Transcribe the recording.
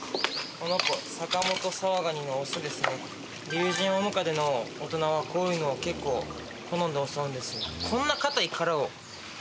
リュウジンオオムカデの大人はこういうのを結構好んで襲うんですよ。